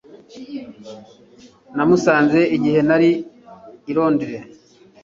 Namusanze igihe nari i Londres